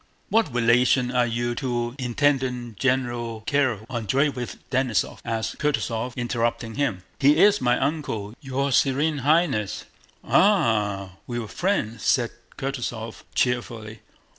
"What relation are you to Intendant General Kiríl Andréevich Denísov?" asked Kutúzov, interrupting him. "He is my uncle, your Sewene Highness." "Ah, we were friends," said Kutúzov cheerfully.